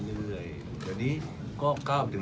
แต่ถ้าเรามีการดูแลเรื่อย